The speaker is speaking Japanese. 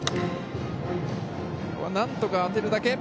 なんとか当てるだけ。